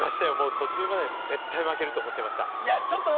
途中まで絶対負けると思ってました。